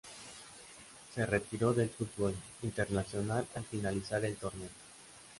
Se retiró del fútbol internacional al finalizar en el torneo.